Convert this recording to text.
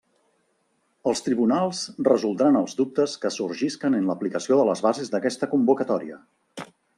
Els tribunals resoldran els dubtes que sorgisquen en l'aplicació de les bases d'aquesta convocatòria.